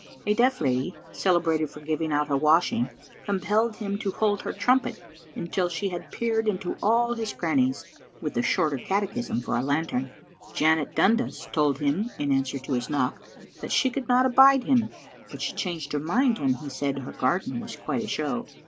A deaf lady, cele •brated for giving out her washing, compelled him to hold her trumpet until she had peered into all his cran nies, with the Shorter Catechism for a lantern. Janet iDundas told him, in answer to his knock, that she could iiot abide him, but she changed her mind when he said iher garden was quite a show.